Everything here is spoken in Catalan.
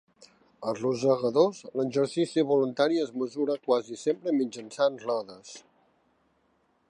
Als rosegadors, l'exercici voluntari es mesura quasi sempre mitjançant rodes.